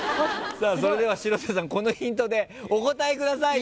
それでは城田さんこのヒントでお答えください。